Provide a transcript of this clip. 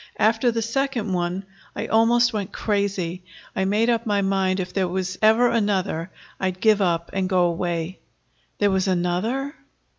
After the second one I almost went crazy. I made up my mind, if there was ever another, I'd give up and go away." "There was another?"